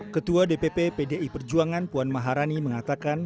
ketua dpp pdi perjuangan puan maharani mengatakan